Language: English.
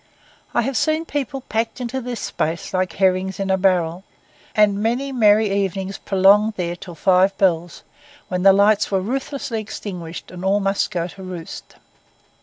I have seen people packed into this space like herrings in a barrel, and many merry evenings prolonged there until five bells, when the lights were ruthlessly extinguished and all must go to roost.